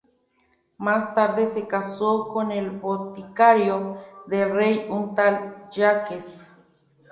Más tarde se casó con el boticario, del rey, un tal Jacques.